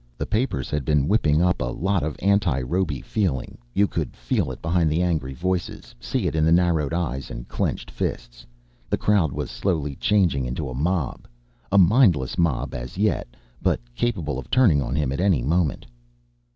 The papers had been whipping up a lot of anti robe feeling, you could feel it behind the angry voices, see it in the narrowed eyes and clenched fists. The crowd was slowly changing into a mob, a mindless mob as yet, but capable of turning on him at any moment.